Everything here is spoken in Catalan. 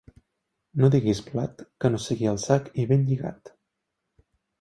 No diguis blat, que no sigui al sac i ben lligat.